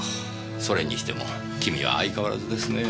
それにしても君は相変わらずですねえ。